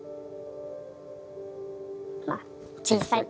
まあ小さい。